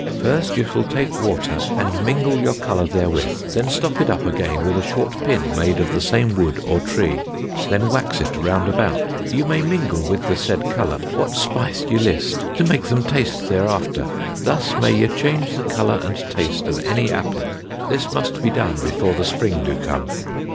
First ye shall take water and mingle your colour therewith, then stop it up again with a short pin made of the same wood or tree, then wax it round about. Ye may mingle with the said colour what spice ye list, to make them taste thereafter. Thus may ye change the colour and taste of any Apple.... This must be done before the Spring do come....